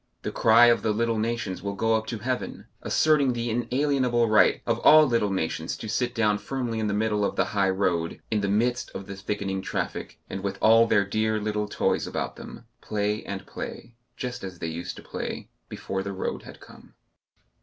The cry of the little nations will go up to heaven, asserting the inalienable right of all little nations to sit down firmly in the middle of the high road, in the midst of the thickening traffic, and with all their dear little toys about them, play and play just as they used to play before the road had come....